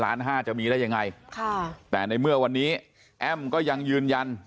ห้าจะมีได้ยังไงค่ะแต่ในเมื่อวันนี้แอ้มก็ยังยืนยัน